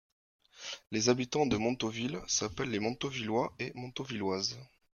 Les habitants de Montauville s'appellent les Montauvillois et Montauvilloises.